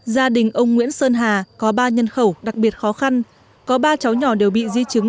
gia đình ông nguyễn sơn hà có ba nhân khẩu đặc biệt khó khăn có ba cháu nhỏ đều bị di chứng